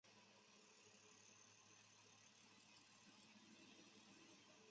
很大程度上促成音乐游戏的发展。